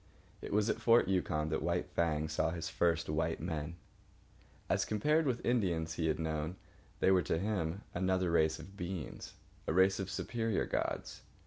It was at Fort Yukon that White Fang saw his first white men. As compared with the Indians he had known, they were to him another race of beings, a race of superior gods.